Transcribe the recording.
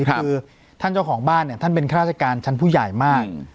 คือท่านเจ้าของบ้านเนี่ยท่านเป็นข้าราชการชั้นผู้ใหญ่มาก